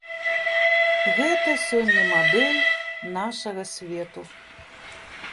Гэта сёння мадэль нашага свету.